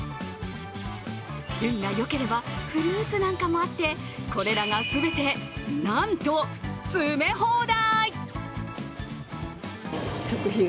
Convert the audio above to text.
運が良ければ、フルーツなんかもあって、これらが全てなんと詰め放題！